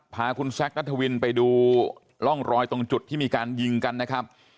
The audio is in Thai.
พาคุณแซคนัทวินไปดูร่องรอยตรงจุดที่มีการยิงกันนะครับ